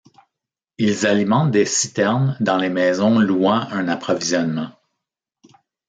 Ils alimentent des citernes dans les maisons louant un approvisionnement.